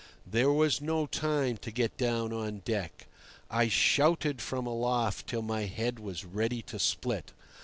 There was no time to get down on deck. I shouted from aloft till my head was ready to split.